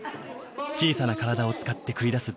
小さな体を使って繰り出す